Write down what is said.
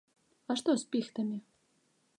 А што з піхтамі?